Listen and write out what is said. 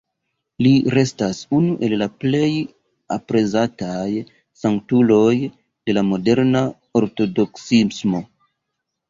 Li restas unu el la plej aprezataj sanktuloj de la moderna Ortodoksismo.